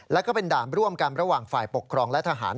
แล้วก็เป็นด่านร่วมกันระหว่างฝ่ายปกครองและทหาร